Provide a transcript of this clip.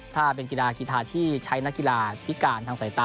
ถ้าเป็นกีฬากีทาที่ใช้นักกีฬาพิการทางสายตา